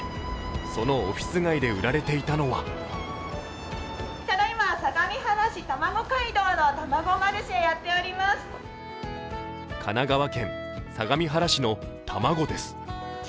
そのオフィス街で売られていたのは神奈川県相模原市の卵です。